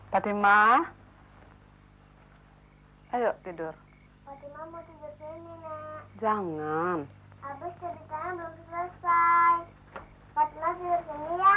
fatimah tidur sini ya